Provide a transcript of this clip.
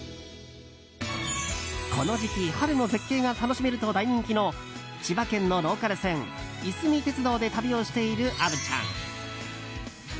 この時期春の絶景が楽しめると大人気の千葉県のローカル線いすみ鉄道で旅をしている虻ちゃん。